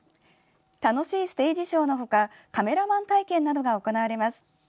楽しいステージショーの他カメラマン体験などが行われます。